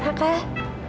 chaos itu besar